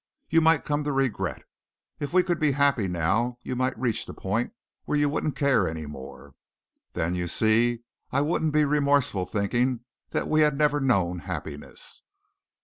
You might come to regret. If we could be happy now you might reach the point where you wouldn't care any more. Then you see I wouldn't be remorseful thinking that we had never known happiness."